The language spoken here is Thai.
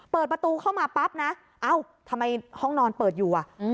เปิดประตูเข้ามาปั๊บนะเอ้าทำไมห้องนอนเปิดอยู่อ่ะ